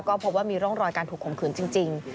ก็พบว่ามีร่องรอยการถูกข่มขืนจริง